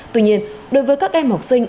tuy nhiên đối với các em học sinh